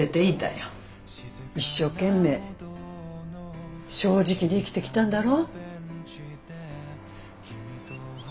一生懸命正直に生きてきたんだろ？